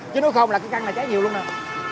chứ nếu không là cái căn này cháy nhiều luôn nè